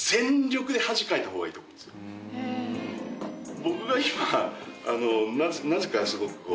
僕が今なぜかすごくこう。